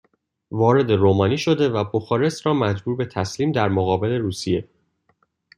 وارد رومانی شده و بخارست را مجبور به تسلیم در مقابل روسیه